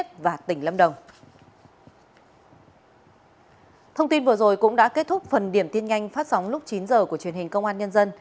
thông tin vừa rồi cũng đã kết thúc phần điểm tin nhanh phát sóng lúc chín h của truyền hình công an nhân dân